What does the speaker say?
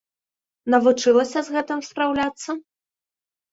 Навучылася з гэтым спраўляцца?